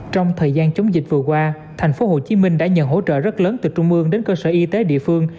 trong thời gian chống dịch vừa qua thành phố hồ chí minh đã nhận hỗ trợ rất lớn từ trung mương đến cơ sở y tế địa phương